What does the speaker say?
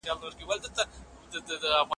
ذمي زموږ په تاریخ کي تل محترم پاته سوی دی.